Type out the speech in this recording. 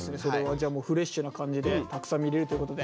じゃあフレッシュな感じでたくさん見れるということで。